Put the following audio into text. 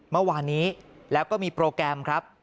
เมื่อวานนี้แล้วก็มีโปรแกรมครับ